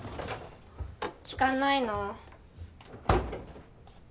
聞かないの？